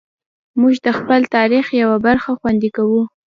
موږ د خپل تاریخ یوه برخه خوندي کوو.